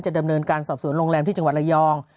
ดำเนินการสอบสวนโรงแรมที่จังหวัดระยอง